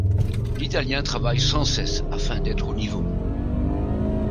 L'italien travaille sans cesse afin d'être au niveau.